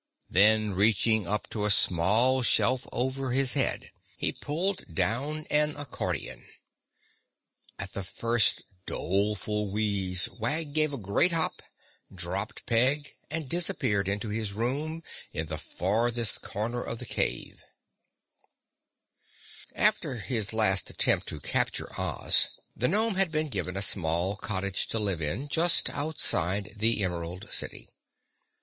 Then reaching up to a small shelf over his head, he pulled down an accordion. At the first doleful wheeze Wag gave a great hop, dropped Peg and disappeared into his room in the farthest corner of the cave. [Illustration: (unlabelled)] After his last attempt to capture Oz, the gnome had been given a small cottage to live in, just outside the Emerald City.